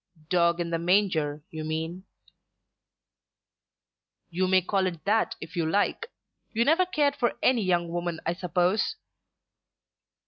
"Dog in the manger, you mean." "You may call it that if you like. You never cared for any young woman, I suppose?"